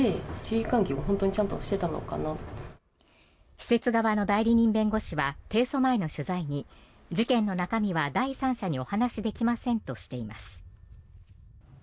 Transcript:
施設側の代理人弁護士は提訴前の取材に事件の中身は第三者にお話しできませんとしています。